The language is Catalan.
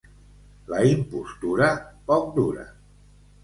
La impostura poc dura.